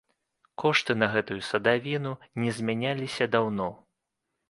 Кошты на гэтую садавіну не змяняліся даўно.